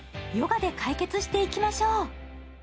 ヨガで解決していきましょう。